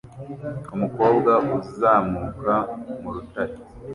Umukobwa uzamuka mu rutare